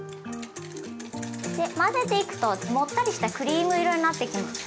で混ぜていくともったりしたクリーム色になってきます。